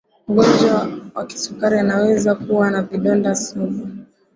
mgonjwa wa kisukari anaweza kuwa na vidonda sugu